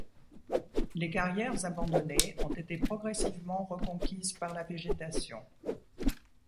Les carrières abandonnées ont été progressivement reconquises par la végétation.